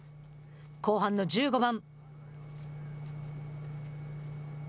後半の１５番。